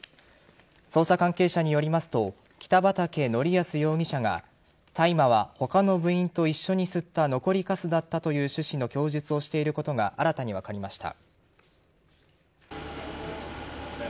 捜査関係者によりますと北畠成文容疑者が大麻は他の部員と一緒に吸った残りかすだったという趣旨の供述をしていることが新たに分かりました。